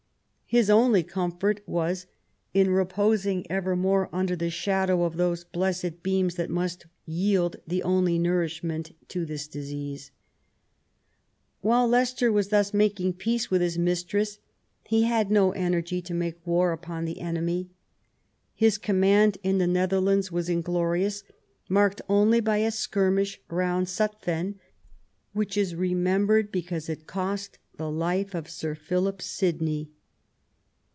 His only comfort was in "reposing evermore under the shadow of those blessed beams that must yield the only nourishment to this disease ". While Leicester was thus making peace with his 222 QUEEN ELIZABETH, mistress he had no energy to make war upon the enemy. His command in the Netherlands was in glorious, marked only by a skirmish round Zutphen, which is remembered because it cost the life of Sir Philip Sidney.